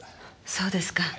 そうですか。